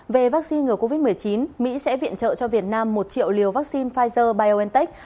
về vaccine ngừa covid một mươi chín mỹ sẽ viện trợ cho việt nam một triệu liều vaccine pfizer biontech